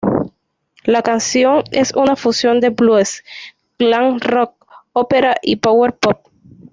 La canción es una fusión de "blues", "glam rock", ópera y "power pop".